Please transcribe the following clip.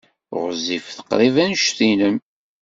Ɣezzifet qrib anect-nnem.